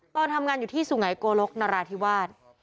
ตอนทำงานอยู่ที่สุไงโกลกนราธิวาส